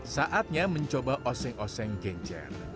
saatnya mencoba oseng oseng genjer